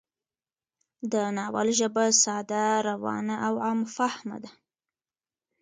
د ناول ژبه ساده، روانه او عام فهمه ده